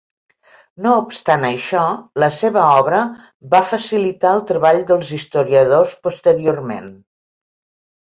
No obstant això, la seva obra va facilitar el treball dels historiadors posteriorment.